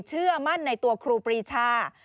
เชื่อมั่นในตัวครูปรีชา